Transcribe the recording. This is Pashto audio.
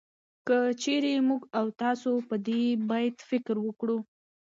که چېرې موږ او تاسو په دې بيت فکر وکړو